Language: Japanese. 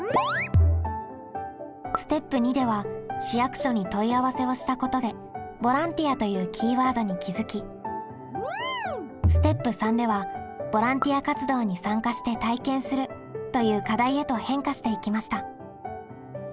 ステップ②では市役所に問い合わせをしたことで「ボランティア」というキーワードに気づきステップ③では「ボランティア活動に参加して体験する」という課題へと変化していきました。